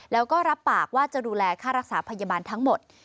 แล้วก็รับปากว่าจะดูแลค่ารักษาพยาบาลทั้งหมด